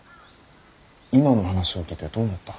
今の話を聞いてどう思った。